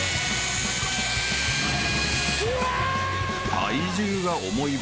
［体重が重い分